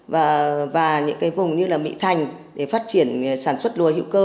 và những cái vùng như là mỹ thành để phát triển sản xuất lúa hữu cơ